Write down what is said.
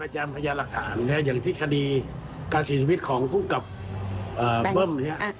เป็นพยาณราฐานเนี่ยอย่างที่คดีการสีสวินของผู้กำเบิ้มเนี่ย